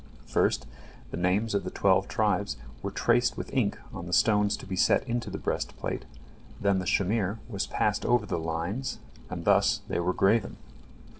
First the names of the twelve tribes were traced with ink on the stones to be set into the breastplate, then the shamir was passed over the lines, and thus they were graven.